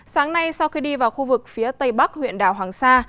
sáng nay sau khi đi vào khu vực phía tây bắc huyện đảo hoàng sa